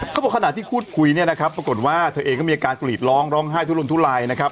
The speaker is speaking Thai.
ขณะที่พูดคุยเนี่ยนะครับปรากฏว่าเธอเองก็มีอาการกรีดร้องร้องไห้ทุลนทุลายนะครับ